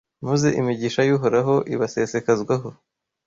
maze imigisha y’Uhoraho ibasesekazwaho